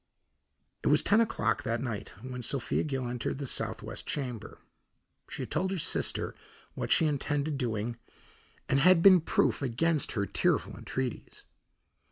It was ten o'clock that night when Sophia Gill entered the southwest chamber. She had told her sister what she intended doing and had been proof against her tearful entreaties.